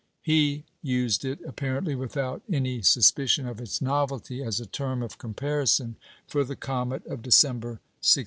He used it, apparently without any suspicion of its novelty, as a term of comparison for the comet of December 1618.